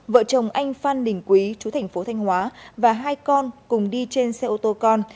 vợ chồng anh phan đình quý chú thành phố thanh hóa và hai con cùng đi trên xe ô tô con